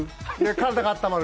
体があったまる。